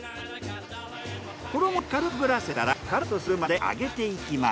衣に軽くくぐらせたらカラッとするまで揚げていきます。